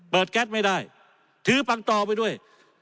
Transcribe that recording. แก๊สไม่ได้ถือปังตอไปด้วย